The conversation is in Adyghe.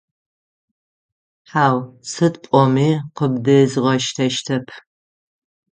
Хьау, сыд пӏоми къыбдезгъэштэщтэп.